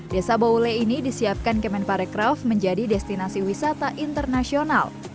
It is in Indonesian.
desa bawule ini disiapkan kemen parekraf menjadi destinasi wisata internasional